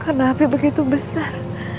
karena api begitu besar